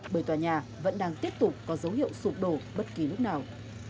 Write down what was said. bởi tòa nhà vẫn đang tiếp tục có dấu hiệu sụp đổ bất kỳ lúc nào